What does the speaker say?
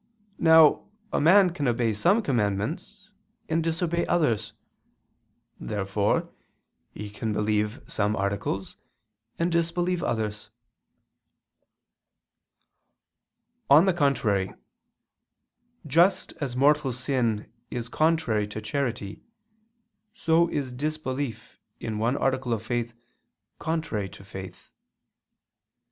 Now a man can obey some commandments, and disobey others. Therefore he can believe some articles, and disbelieve others. On the contrary, Just as mortal sin is contrary to charity, so is disbelief in one article of faith contrary to faith.